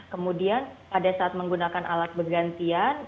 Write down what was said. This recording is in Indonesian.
kemudian pada saat menggunakan alat bergantian